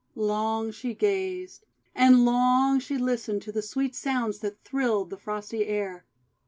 Long she gazed; and long she listened to the sweet sounds that thrilled the frosty air.